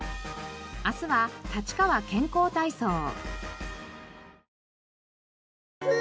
明日はたちかわ健康体操。